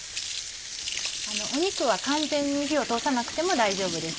肉は完全に火を通さなくても大丈夫です。